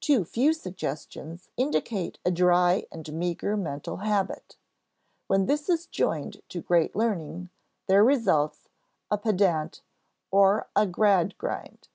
Too few suggestions indicate a dry and meager mental habit; when this is joined to great learning, there results a pedant or a Gradgrind.